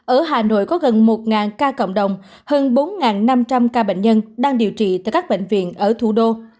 ở hà nội có gần một ca cộng đồng hơn bốn năm trăm linh ca bệnh nhân đang điều trị tại các bệnh viện ở thủ đô